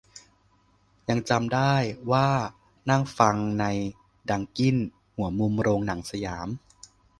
ยังจำได้ว่านั่งฟังในดังกิ้น หัวมุมโรงหนังสยาม